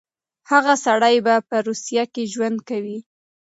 هغه سړی به په روسيه کې ژوند کوي.